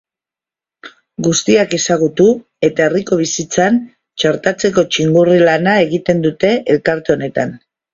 Guztiak ezagutu eta herriko bizitzan txertatzeko txingurri lana egiten dute elkarte honetan.